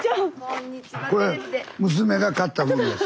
これ娘が買ったもんです。